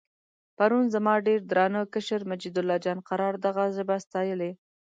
پرون زما ډېر درانه کشر مجیدالله جان قرار دغه ژبه ستایلې.